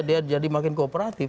dia jadi makin kooperatif